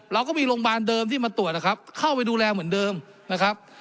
เราก็มีโรงพยาบาลเดิมที่มาตรวจนะครับเข้าไปดูแลเหมือนเดิมนะครับ